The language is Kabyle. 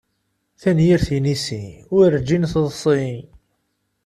Tanyirt inisi urǧin teḍsi.